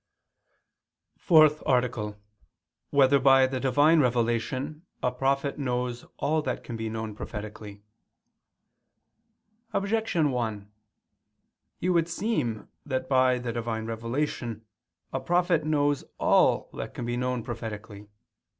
_______________________ FOURTH ARTICLE [II II, Q. 171, Art. 4] Whether by the Divine Revelation a Prophet Knows All That Can Be Known Prophetically? Objection 1: It would seem that by the Divine revelation a prophet knows all that can be known prophetically.